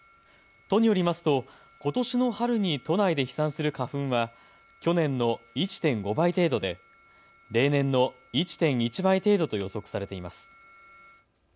都によりますとことしの春に都内で飛散する花粉は去年の１．５倍程度で例年の１．１倍程度と予測されています。